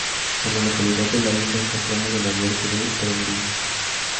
En la localidad de La Isla encontramos el albergue de peregrinos.